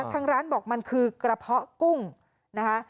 ทางร้านบอกมันคือกระเพาะกุ้งนะคะ